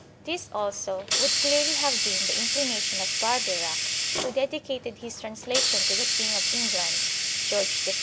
This also would clearly have been the inclination of Barbeyrac, who dedicated his translation to the king of England, George I.